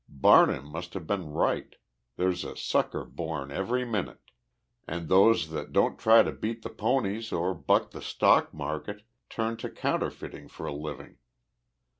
Barnum must have been right. There's a sucker born every minute and those that don't try to beat the ponies or buck the stock market turn to counterfeiting for a living.